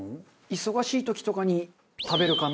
忙しい時とかに食べるかな。